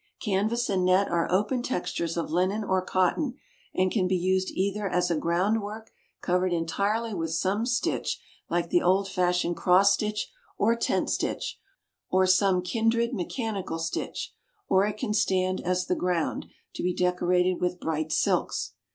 Canvas and net are open textures of linen or cotton, and can be used either as a ground work covered entirely with some stitch like the old fashioned cross stitch or tent stitch, or some kindred mechanical stitch, or it can stand as the ground, to be decorated with bright silks.